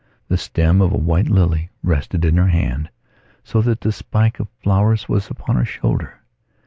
The stem of a white lily rested in her hand so that the spike of flowers was upon her shoulder.